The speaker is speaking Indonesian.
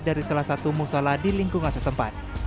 dari salah satu musola di lingkungan setempat